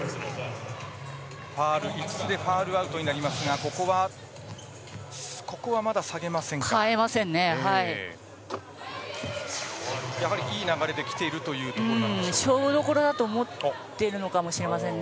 ファウル５つでファウルアウトになりますがここは、まだ下げませんか。